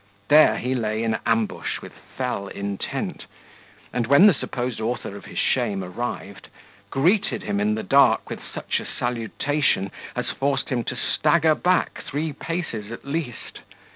There he lay in ambush with fell intent; and when the supposed author of his shame arrived, greeted him in the dark with such a salutation as forced him to stagger backward three paces at least.